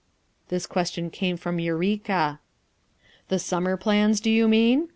This question came from Eureka. "The summer plans, do you mean?